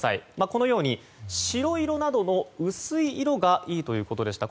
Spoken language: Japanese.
このように白色などの薄い色がいいということでした。